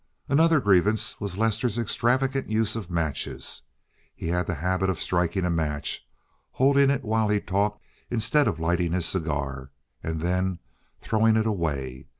Another grievance was Lester's extravagant use of matches. He had the habit of striking a match, holding it while he talked, instead of lighting his cigar, and then throwing it away.